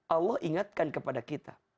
allah ingatkan kepada kita